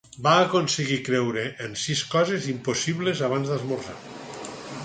Va aconseguir creure en sis coses impossibles abans d'esmorzar